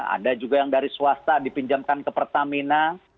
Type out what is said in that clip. ada juga yang dari swasta dipinjamkan ke pertamina